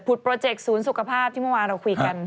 โปรเจกต์ศูนย์สุขภาพที่เมื่อวานเราคุยกัน